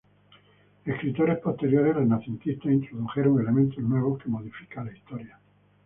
Escritores posteriores renacentistas introdujeron elementos nuevos que modifican la historia.